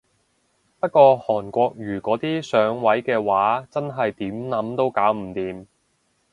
不過韓國瑜嗰啲上位嘅話真係點諗都搞唔掂